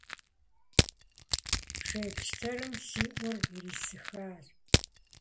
Шей пщтырым си ӏур ирисыхащ.